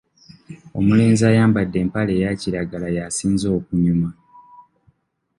Omulenzi ayambadde empale eya kiragala y'asinze okunyuma.